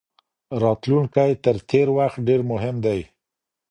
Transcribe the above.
راتلونکی تر تیر وخت ډیر مهم دی.